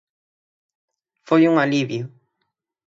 Foi un alivio.